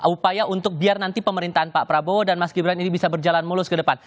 upaya untuk biar nanti pemerintahan pak prabowo dan mas gibran ini bisa berjalan mulus ke depan